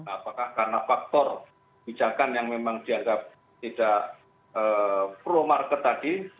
apakah karena faktor bijakan yang memang dianggap tidak pro market tadi